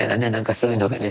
そういうのがね